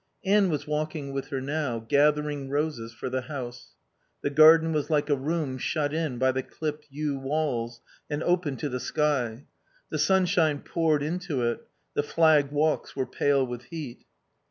Anne was walking with her now, gathering roses for the house. The garden was like a room shut in by the clipped yew walls, and open to the sky. The sunshine poured into it; the flagged walks were pale with heat.